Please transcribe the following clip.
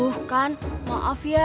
itu hambah saya